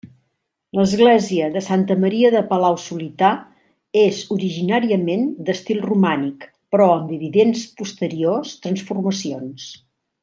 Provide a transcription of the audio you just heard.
L’església de Santa Maria de Palau-solità és originàriament d’estil romànic però amb evidents posteriors transformacions.